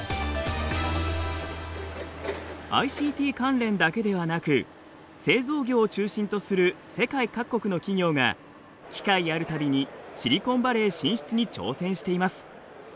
ＩＣＴ関連だけではなく製造業を中心とする世界各国の企業が機会あるたびにシリコンヴァレー進出に挑戦しています。